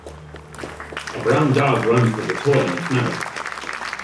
A brown dog runs with a toy in its mouth.